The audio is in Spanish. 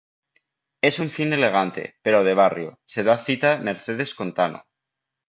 En un cine elegante, pero de barrio, se da cita Mercedes con Tano.